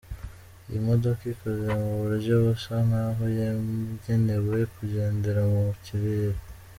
Iyi modoka ikoze mu buryo busa nk’aho yagenewe kugendera mu kirere.